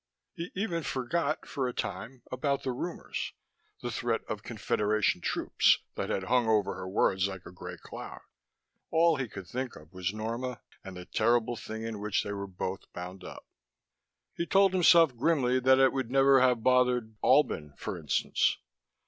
He even forgot, for a time, about the rumors, the threat of Confederation troops that had hung over her words like a gray cloud: all he could think of was Norma, and the terrible thing in which they were both bound up. He told himself grimly that it would never have bothered Albin, for instance.